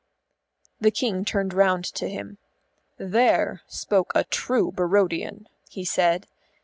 The King turned round to him. "There spoke a true Barodian," he said.